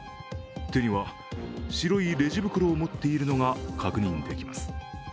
手には白いレジ袋を持っているのが確認できます。